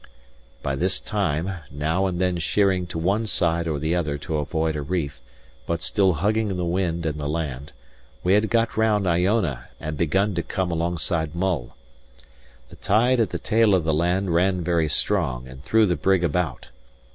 By this time, now and then sheering to one side or the other to avoid a reef, but still hugging the wind and the land, we had got round Iona and begun to come alongside Mull. The tide at the tail of the land ran very strong, and threw the brig about.